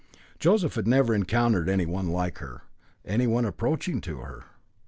Joseph had never encountered anyone like her, anyone approaching to her.